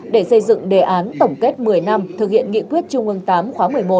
để xây dựng đề án tổng kết một mươi năm thực hiện nghị quyết trung ương tám khóa một mươi một